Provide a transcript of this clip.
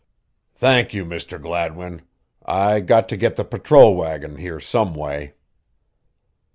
"Thank you, Mr. Gladwin I got to get the patrol wagon here some way."